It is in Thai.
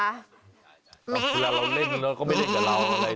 เวลาเราเล่นก็ไม่เล่นกับเราเลย